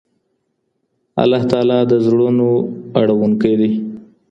الله تعالی د زړونو اړوونکی دی.